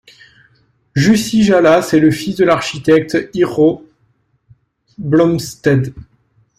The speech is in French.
Jussi Jalas est le fils de l'architecte Yrjö Blomstedt.